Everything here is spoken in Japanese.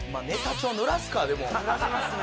濡らしますね。